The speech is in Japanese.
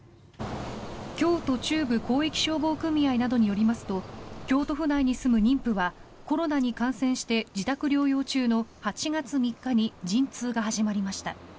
京都中部広域消防組合などによりますと京都府内に住む妊婦はコロナに感染して自宅療養中の８月３日に陣痛が始まりました。